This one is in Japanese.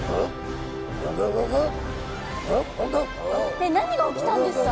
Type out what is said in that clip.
えっ何が起きたんですか？